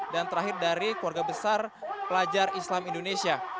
dan terakhir dari keluarga besar pelajar islam indonesia